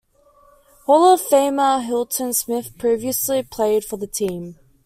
Hall of Famer Hilton Smith previously played for the team.